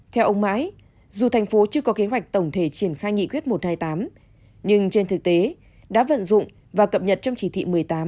theo ông mãi dù thành phố chưa có kế hoạch tổng thể triển khai nghị quyết một trăm hai mươi tám nhưng trên thực tế đã vận dụng và cập nhật trong chỉ thị một mươi tám